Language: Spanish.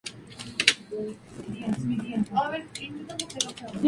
Posteriormente fue presidenta de su partido por varios años.